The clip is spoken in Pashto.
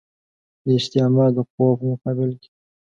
د استعمار د قواوو په مقابل کې.